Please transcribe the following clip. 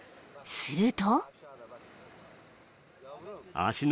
［すると］